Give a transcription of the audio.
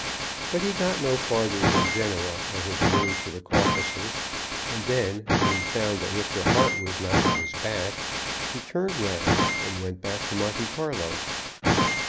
But he got no farther than Genoa on his way to the Caucasus, and then, when he found that Mr. Hart was not at his back, he turned round and went back to Monte Carlo.